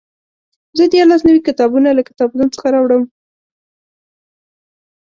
زه دیارلس نوي کتابونه له کتابتون څخه راوړم.